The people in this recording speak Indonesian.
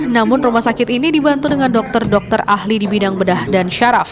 namun rumah sakit ini dibantu dengan dokter dokter ahli di bidang bedah dan syaraf